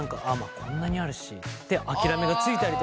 こんなにあるしって諦めがついたりとか。